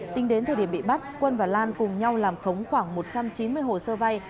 tính đến thời điểm bị bắt quân và lan cùng nhau làm khống khoảng một trăm chín mươi hồ sơ vay